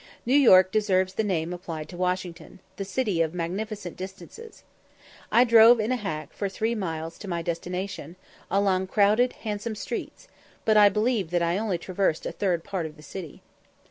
New York deserves the name applied to Washington, "the city of magnificent distances." I drove in a hack for three miles to my destination, along crowded, handsome streets, but I believe that I only traversed a third part of the city.